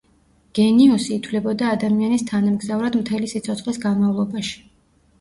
გენიუსი ითვლებოდა ადამიანის თანამგზავრად მთელი სიცოცხლის განმავლობაში.